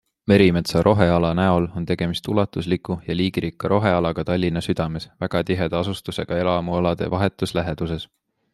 Merimetsa roheala näol on tegemist ulatusliku ja liigirikka rohealaga Tallinna südames, väga tiheda asustusega elamualade vahetus läheduses.